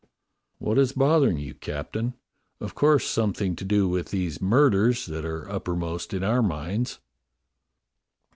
"What is bothering you. Captain.'^ Of course some thing to do with these murders that are uppermost in our minds.